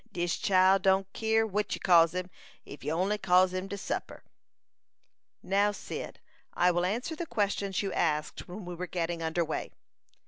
"Dis chile don't keer what you calls him, if you only calls him to supper." "Now, Cyd, I will answer the questions you asked when we were getting under way."